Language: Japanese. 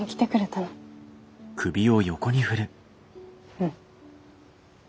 うん。